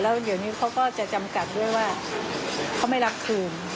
แล้วเดี๋ยวนี้เขาก็จะจำกัดด้วยว่าเขาไม่รับคืน